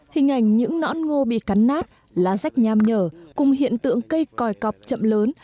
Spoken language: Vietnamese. hình ảnh những nõn ngô bị cắn nát lá rách nham nhở cùng hiện tượng cây còi cọp chậm lớn